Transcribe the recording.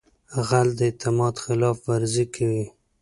غل د اعتماد خلاف ورزي کوي